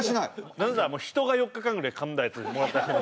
何だったらもう人が４日間ぐらい噛んだやつもらった感じ